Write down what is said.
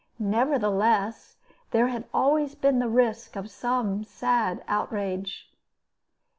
Nevertheless, there had always been the risk of some sad outrage.